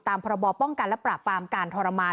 ตามพรบป้องกันและปราปัำการทรมาน